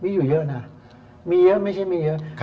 อยู่เยอะนะมีเยอะไม่ใช่มีเยอะ